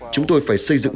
chúng tôi phải xây dựng